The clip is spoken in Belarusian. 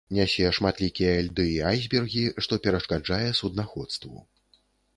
Нясе шматлікія льды і айсбергі, што перашкаджае суднаходству.